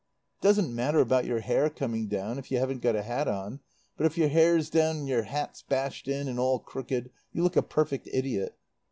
It doesn't matter about your hair coming down if you haven't got a hat on, but if your hair's down and your hat's bashed in and all crooked you look a perfect idiot.